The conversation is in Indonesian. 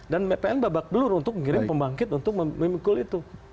dan pln babak belur untuk mengirim pembangkit untuk memikul itu